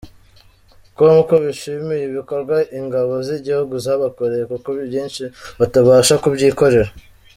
com ko bishimiye ibikorwa ingabo z’igihugu zabakoreye kuko ibyinshi batabasha kubyikorera.